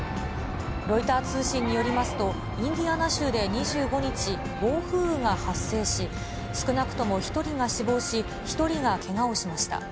ロイター通信によりますと、インディアナ州で２５日、暴風雨が発生し、少なくとも１人が死亡し、１人がけがをしました。